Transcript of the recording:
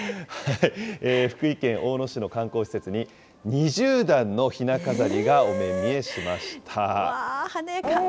福井県大野市の観光施設に、２０段のひな飾りがお目見えしました。